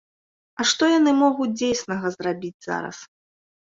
А што яны могуць дзейснага зрабіць зараз?